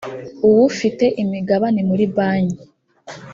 uwufite imigabane muri banki